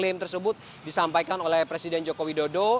klaim tersebut disampaikan oleh presiden jokowi dodo